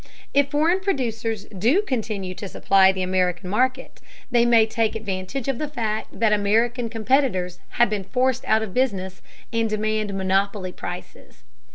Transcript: If foreign producers do continue to supply the American market they may take advantage of the fact that American competitors have been forced out of business, and demand monopoly prices.